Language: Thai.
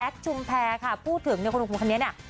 แจ็คชุมแพรด์ค่ะพูดถึงโคนงคลุมคันนี้เนี่ย